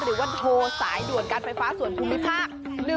หรือว่าโทรสายด่วนการไฟฟ้าส่วนภูมิภาค